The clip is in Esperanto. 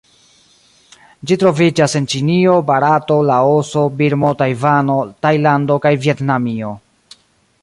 Ĝi troviĝas en Ĉinio, Barato, Laoso, Birmo, Tajvano, Tajlando kaj Vjetnamio.